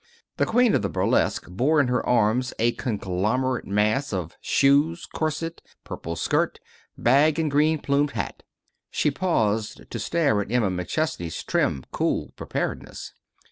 The queen of burlesque bore in her arms a conglomerate mass of shoes, corset, purple skirt, bag and green plumed hat. She paused to stare at Emma McChesney's trim, cool preparedness.